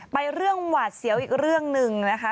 เรื่องหวาดเสียวอีกเรื่องหนึ่งนะคะ